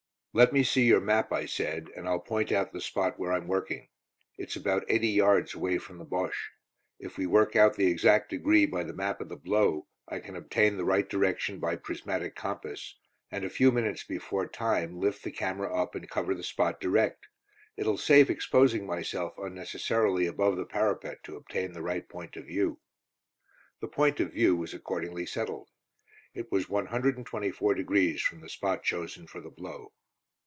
"Let me see your map," I said, "and I'll point out the spot where I'm working. It's about eighty yards away from Bosche. If we work out the exact degree by the map of the 'blow,' I can obtain the right direction by prismatic compass, and a few minutes before 'time' lift the camera up and cover the spot direct. It'll save exposing myself unnecessarily above the parapet to obtain the right point of view." The point of view was accordingly settled. It was 124° from the spot chosen for the "blow."